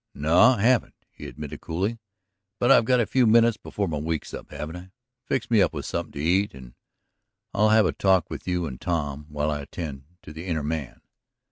"No, I haven't," he admitted coolly. "But I've got a few minutes before my week's up, haven't I? Fix me up with something to eat and I'll have a talk with you and Tom while I attend to the inner man."